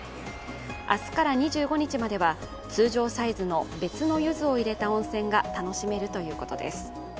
明日から２５日までは通常サイズの別のゆずを入れた温泉が楽しめるということです。